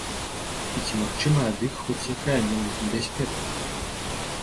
І ці магчымая ад іх хоць якая-небудзь небяспека?